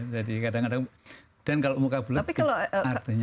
jadi kadang kadang dan kalau muka bulet artinya